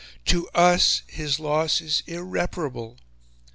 To US his loss is IRREPARABLE...